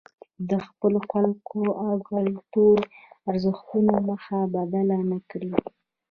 د خپلو خلکو او کلتوري ارزښتونو مخه بدله نکړي.